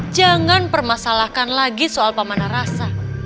jangan permasalahkan lagi soal pemana rasa